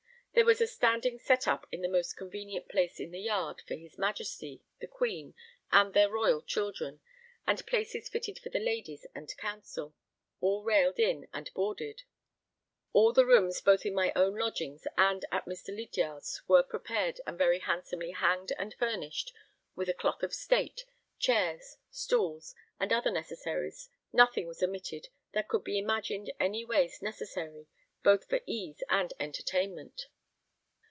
There was a standing set up in the most convenient place in the Yard for his Majesty, the Queen, and their royal children, and places fitted for the ladies and Council, all railed in and boarded; all the rooms both in my own lodgings and at Mr. Lydiard's were prepared and very handsomely hanged and furnished with a cloth of state, chairs, stools and other necessaries; nothing was omitted that could be imagined any ways necessary, both for ease and entertainment.